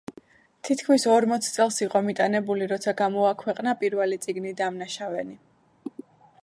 თითქმის ორმოც წელს იყო მიტანებული როცა გამოაქვეყნა პირველი წიგნი „დამნაშავენი“.